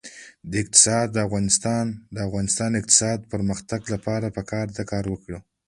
د افغانستان د اقتصادي پرمختګ لپاره پکار ده چې کار وکړو.